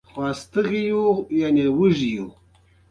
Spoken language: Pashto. دا څومره کامل او جامع آيتونه دي ؟